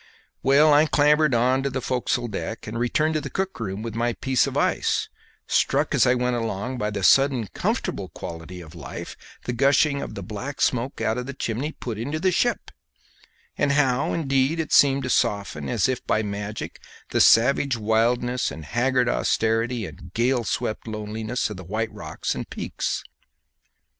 Well, I clambered on to the forecastle deck and returned to the cook room with my piece of ice, struck as I went along by the sudden comfortable quality of life the gushing of the black smoke out of the chimney put into the ship, and how, indeed, it seemed to soften as if by magic the savage wildness and haggard austerity and gale swept loneliness of the white rocks and peaks.